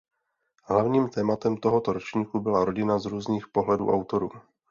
Hlavním tématem tohoto ročníku byla rodina z různých pohledů autorů.